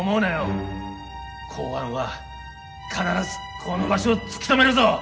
公安は必ずこの場所を突き止めるぞ！